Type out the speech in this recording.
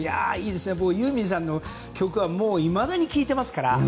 僕、ユーミンさんの曲はいまだに聴いてますから。